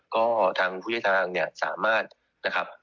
ก็ทางผู้ใช้ทางเนี่ยสามารถนะครับ